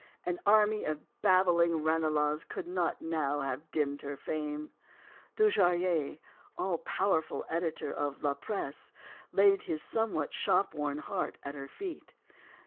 An army of babbling Ranelaghs could not now have dimmed her fame. Dujarrier, all powerful editor of "La Presse," laid his somewhat shopworn heart at her feet.